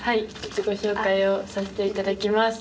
自己紹介をさせていただきます。